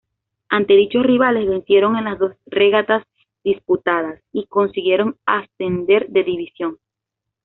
Ante dichos rivales vencieron en las dos regatas disputadas y consiguieron ascender de división.